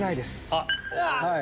あっ！